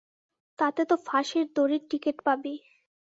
তাতে তো ফাঁসির দড়ির টিকেট পাবি।